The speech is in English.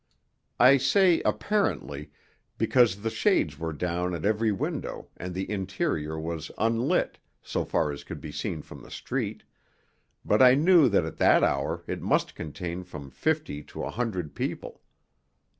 I say apparently, because the shades were down at every window and the interior was unlit, so far as could be seen from the street; but I knew that at that hour it must contain from fifty to a hundred people.